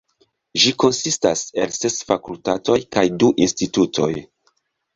Ĝi konsistas el ses fakultatoj kaj du institutoj.